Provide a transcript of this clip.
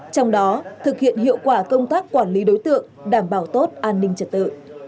trong đó thực hiện hiệu quả công tác quản lý đối tượng đảm bảo tốt an ninh trật tự